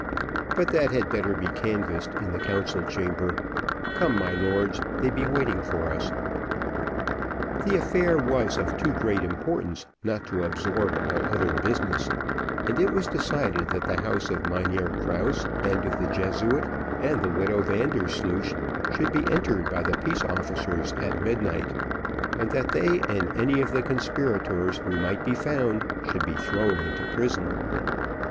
But that had better be canvassed in the council chamber. Come, my lords, they be waiting for us." The affair was of too great importance not to absorb all other business, and it was decided that the house of Mynheer Krause, and of the Jesuit, and the widow Vandersloosh should be entered by the peace officers, at midnight, and that they and any of the conspirators who might be found should be thrown into prison.